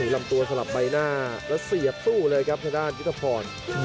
ลำตัวสลับใบหน้าแล้วเสียบสู้เลยครับทางด้านยุทธพร